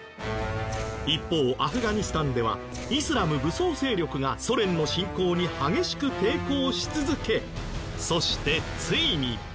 一方アフガニスタンではイスラム武装勢力がソ連の侵攻に激しく抵抗し続けそしてついに。